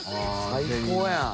最高やん。